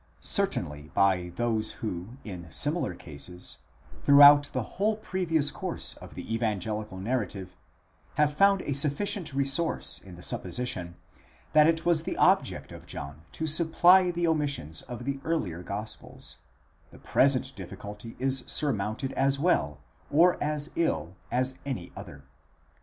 Certainly, by those who, in similar cases, throughout the whole previous course of the evangelical narrative, have found a sufficient resource in the supposition, that it was the object of John to supply the omissions of the earlier gospels, the present difficulty is sur mounted as well, or as ill, as any other.